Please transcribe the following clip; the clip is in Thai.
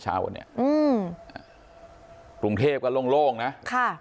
เช้าวันนี้อืมกรุงเทพก็โล่งโล่งนะค่ะ